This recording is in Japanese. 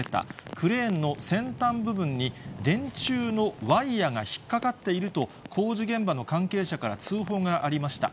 クレーンの先端部分に電柱のワイヤが引っ掛かっていると、工事現場の関係者から通報がありました。